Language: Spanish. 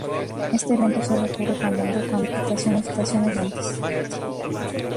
Este evento sólo ocurre cuando las precipitaciones son abundantes.